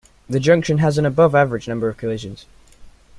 The junction has an above-average number of collisions.